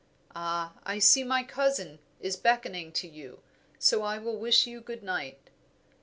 Ah, I see my cousin is beckoning to you, so I will wish you good night."